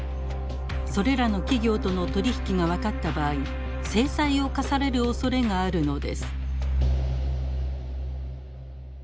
それらの企業との取り引きが分かった場合制裁を科されるおそれがあるのです。